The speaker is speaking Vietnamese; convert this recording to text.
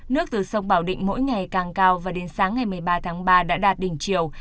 nước từ sông bảo định mỗi ngày càng cao và đến sáng ngày một mươi ba tháng ba đã đạt đỉnh chiều